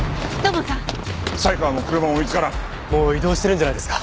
もう移動してるんじゃないですか？